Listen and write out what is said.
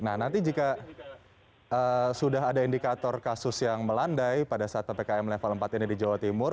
nah nanti jika sudah ada indikator kasus yang melandai pada saat ppkm level empat ini di jawa timur